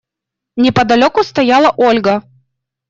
Неподалеку стояла Ольга.